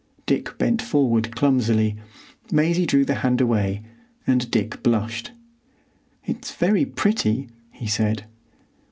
Dick bent forward clumsily; Maisie drew the hand away, and Dick blushed. "It's very pretty," he said.